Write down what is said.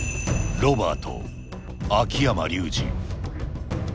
ロバート・秋山竜次。